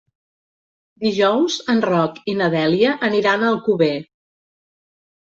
Dijous en Roc i na Dèlia aniran a Alcover.